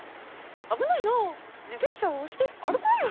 「危ないなぁ自転車は押して歩こうよ」。